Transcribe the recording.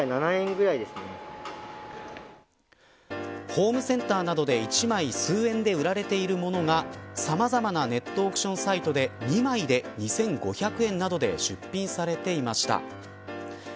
ホームセンターなどで１枚、数円で売られているものがさまざまなネットオークションサイトで２枚で２５００円などで出品されていました。